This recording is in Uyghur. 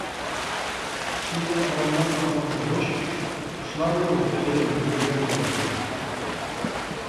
ئىچىمگە تاراملاپ ئاقماقتا بىھوش، قۇشلارنىڭ كۆزىدىن تۆكۈلگەن پىغان.